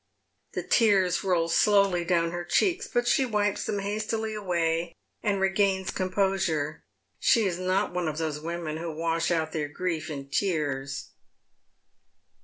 The tears roll slowly down her cheeks, but she wipes them hastily away and regains composure. She is not one of those women who wash out their grief in tears.